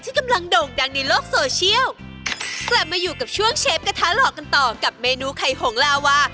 กำลังโด่งดังในโลกโซเชียลกลับมาอยู่กับช่วงเชฟกระทะหล่อกันต่อกับเมนูไข่หงลาวา